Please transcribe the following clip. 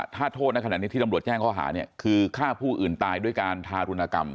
ถ้าโทษในขณะนี้ที่ตำรวจแจ้งข้อหาเนี่ยคือฆ่าผู้อื่นตายด้วยการทารุณกรรม